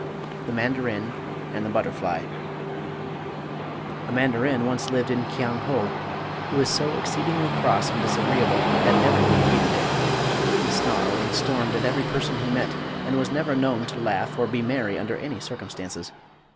THE MANDARIN AND THE BUTTERFLY A mandarin once lived in Kiang ho who was so exceedingly cross and disagreeable that everyone hated him. He snarled and stormed at every person he met and was never known to laugh or be merry under any circumstances.